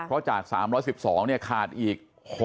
เพราะจาก๓๑๒เนี่ยขาดอีก